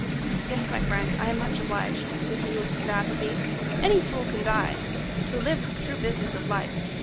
"Yes, my friend, I am much obliged," said he with vivacity. "Any fool can die. To live is the true business of life.